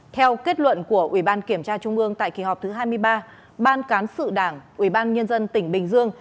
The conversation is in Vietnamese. theo kết luận của ubnd tại kỳ họp thứ hai mươi ba ban cán sự đảng ubnd tỉnh bình dương